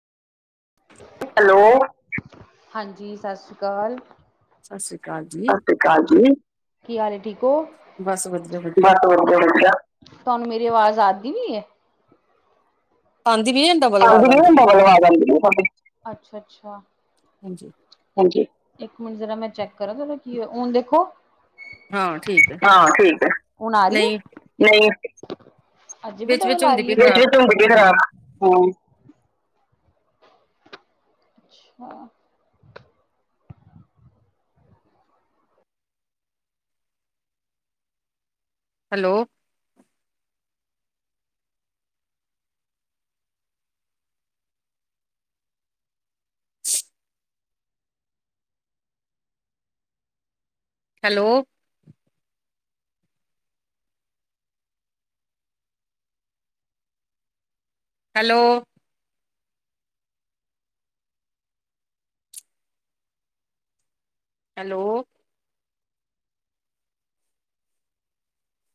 Hello, ਹਾਂਜੀ, ਸਤਿ ਸ੍ਰੀ ਅਕਾਲ। ਸਤਿ ਸ੍ਰੀ ਅਕਾਲ ਜੀ। ਹਾਂਜੀ, ਕੀ ਹਾਲ ਹੈ, ਠੀਕ ਹੋ? ਬਸ ਵਧੀਆ-ਵਧੀਆ। ਬਸ ਵਧੀਆ- ਵਧੀਆ। ਤੁਹਾਨੂੰ, ਮੇਰੀ ਆਵਾਜ਼ ਆਂਦੀ ਪਈ ਹੈ? ਆਂਦੀ ਪਈ ਆ ਯਾ ਆਂਦੀ ਪਈ, ਡਬਲ ਆਵਾਜ਼ ਆਉਂਦੀ ਪਈ ਤੁਹਾਡੀ, ਅੱਛਾ-ਅੱਛਾ ਹਾਂਜੀ। ਇਕ, ਮਿੰਟ ਜਰਾ, ਮੈ ਚੈਕ ਕਰਾਂ ਕਿ ਇਹਨੂੰ ਕੀ ਹੋਇਆ, ਹੁਣ ਦੇਖੋ ਹਾਂ ਠੀਕ ਐ, ਹਾਂ ਠੀਕ ਹੈ। ਹੁਣ ਆ ਰਹੀ ਨਹੀਂ ਹੈ? ਨਹੀਂ ਅਜੇ ਵੀ, ਵਿੱਚ-ਵਿੱਚ ਡਬਲ ਆ ਹੁੰਦੀ ਰਹੀ ਪਈ ਹੈ? ਖ਼ਰਾਬ। ਹੂੰ। ਅੱਛਾ। Hello- [unintelligible] hello hello. ਹੈਲੋ